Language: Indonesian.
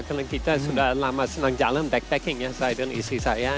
karena kita sudah lama senang jalan backpacking ya saya dan istri saya